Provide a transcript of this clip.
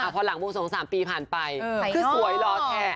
พอหลังวงสง๓ปีผ่านไปคือสวยรอแท้